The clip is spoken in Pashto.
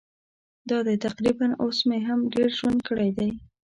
دا دی تقریباً اوس مې هم ډېر ژوند کړی دی.